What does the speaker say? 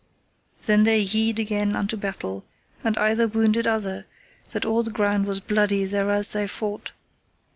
Then they yede again unto battle, and either wounded other, that all the ground was bloody thereas they fought.